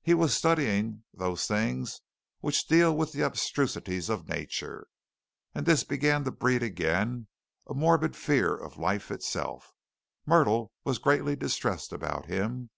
He was studying those things only which deal with the abstrusities of nature, and this began to breed again a morbid fear of life itself. Myrtle was greatly distressed about him.